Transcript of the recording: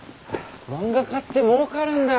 漫画家ってもうかるんだぁ。